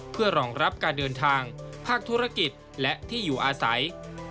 เพื่อรองรับการเดินทางภาคธุรกิจและที่อยู่อาศัย